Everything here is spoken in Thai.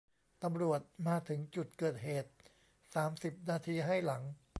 ตำรวจมาถึงจุดเกิดเหตุสามสิบนาทีให้หลัง